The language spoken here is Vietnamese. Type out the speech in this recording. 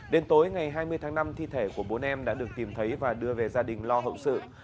đến tối ngày hai mươi tháng năm thi thể của bốn em đã được tìm thấy và đưa về gia đình lo hậu sự